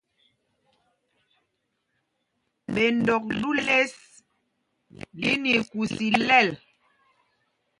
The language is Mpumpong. Ɓendok ɗû lěs lí nɛ ikûs ilɛl.